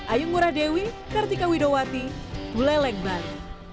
ayungura dewi kartika widowati buleleng bali